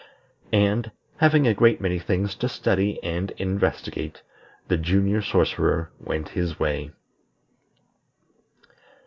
And, having a great many things to study and investigate, the Junior Sorcerer went his way.